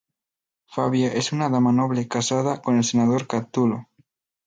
Fabia es una dama noble, casada con el senador Catulo.